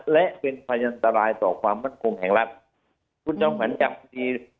และเป็นพยันตรายต่อความมั่นคงแข็งลักษณ์คุณจำขวัญจากคดี